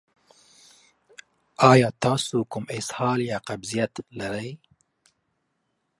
ایا تاسو کوم اسهال یا قبضیت لرئ؟